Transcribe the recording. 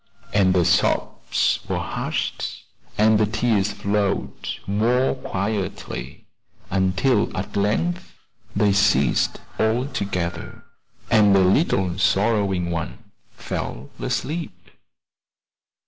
And the sobs were hushed the tears flowed more quietly, until at length they ceased altogether, and the little sorrowing one fell asleep.